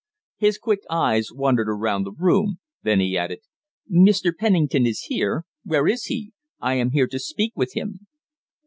His quick eyes wandered around the room, then he added "Meester Pennington is here; where is he? I am here to speak with him."